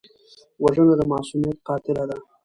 وژنه د معصومیت قاتله ده